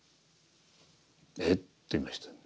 「えっ」と言いましたよね。